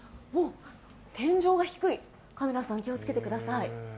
天井が低い、カメラさん気をつけてください。